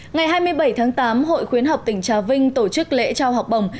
ngày hai mươi bảy tháng tám hội khuyến học tỉnh trà vinh tổ chức lễ trao học bổng